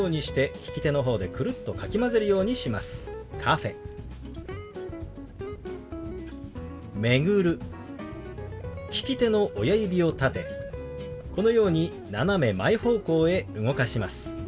利き手の親指を立てこのように斜め前方向へ動かします。